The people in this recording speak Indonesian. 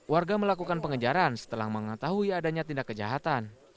warga melakukan pengejaran setelah mengetahui adanya tindak kejahatan